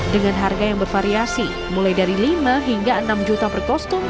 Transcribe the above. dengan harga yang bervariasi mulai dari lima hingga enam juta per kostum